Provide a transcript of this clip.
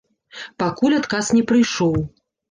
Пакуль адказ не прыйшоў.